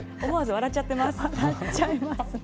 笑っちゃいますね。